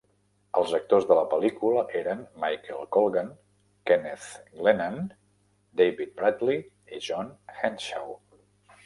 Els actors de la pel·lícula eren Michael Colgan, Kenneth Glenaan, David Bradley i John Henshaw.